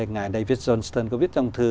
ngài david johnston có viết trong thư